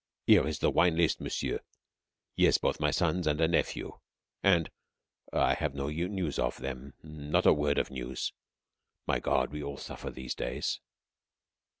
... "Here is the wine list, monsieur. Yes, both my sons and a nephew, and I have no news of them, not a word of news. My God, we all suffer these days."